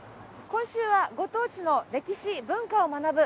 今週は「ご当地の歴史・文化を学ぶ」。